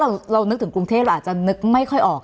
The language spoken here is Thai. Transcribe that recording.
อ๋อถ้าเรานึกถึงกรุงเทศเราอาจจะลืกไม่ค่อยออก